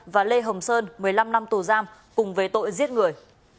và lê hồng sơn một mươi năm năm tù giam cùng về tội giết người